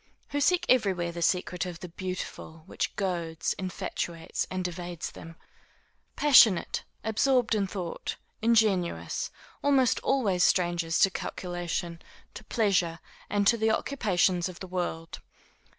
who seek everywhere the secret of the beautiful which goads, infatuates, and evades them? passionate, absorbed in thought, ingenuous, almost always strangers to calculation, to pleasure, and to the occupations of the world?